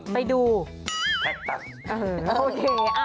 ไปดูแคคตัส